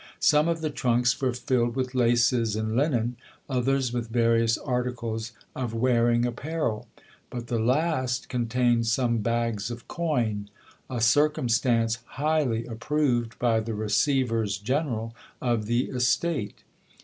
Some of the trunks were filled with laces and linen, others with various articles of wearing apparel : but the last contained some bags of coin ; a circumstance highly ap proved by the receivers general of the estate.